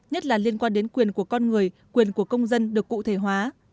nhất là liên quan đến quyền của con người quyền của công dân được cụ thể hóa